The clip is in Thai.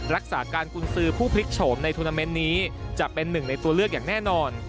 รักษาการกุญสือผู้พลิกโฉมในทุนาเมนต์นี้จะเป็นหนึ่งในตัวเลือกอย่างแน่นอน